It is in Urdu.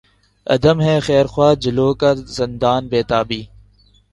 عدم ہے خیر خواہ جلوہ کو زندان بیتابی